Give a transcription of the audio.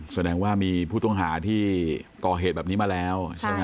แสดงว่ามีผู้ต้องหาที่ก่อเหตุแบบนี้มาแล้วใช่ไหม